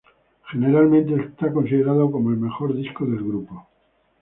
Generalmente es considerado como el mejor disco del grupo.